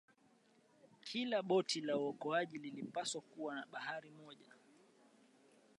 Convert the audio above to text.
kila boti ya uokoaji ilipaswa kuwa na baharia mmoja